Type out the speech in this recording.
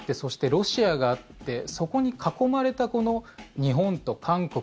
ロシアがあってそこに囲まれた日本と韓国